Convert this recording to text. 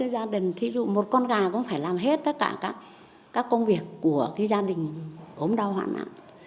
ví dụ một con gà cũng phải làm hết tất cả các công việc của gia đình ốm đau hoạn nặng